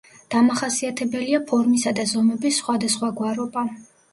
დამახასიათებელია ფორმისა და ზომების სხვადასხვაგვარობა.